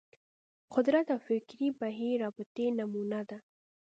قدرت او فکري بهیر رابطې نمونه ده